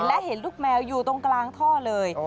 และเห็นลูกแมวอยู่ตรงกลางท่อเลย